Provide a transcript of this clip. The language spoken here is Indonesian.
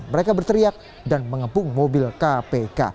mereka berteriak dan mengepung mobil kpk